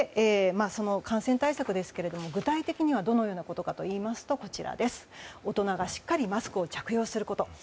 その感染対策ですが具体的にはどのようなことかといいますと大人がしっかりとマスクを着用すること。